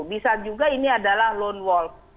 bisa juga ini adalah lone wolf